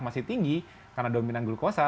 masih tinggi karena dominan glukosa